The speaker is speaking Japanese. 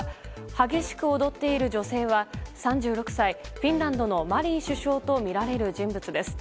激しく踊っている女性は３６歳、フィンランドのマリン首相とみられる人物です。